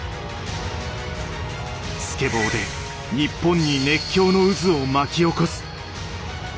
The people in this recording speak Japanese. スケボーで日本に熱狂の渦を巻き起こす。